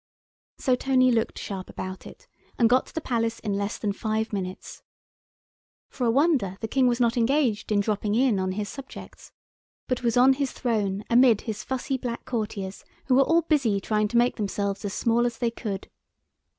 So Tony looked sharp about it, and got to the Palace in less than five minutes. For a wonder the King was not engaged in dropping in on his subjects, but was on his throne amid his fussy black courtiers, who were all busy trying to make themselves as small as they could.